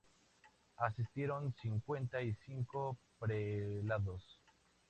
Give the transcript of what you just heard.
Asistieron cincuenta y cinco prelados.